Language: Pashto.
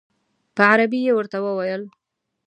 په عربي یې ورته وویل.